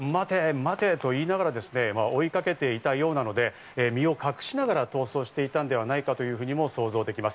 待て！と言いながら追いかけていたようなので、身を隠しながら逃走していたのではないかと想像できます。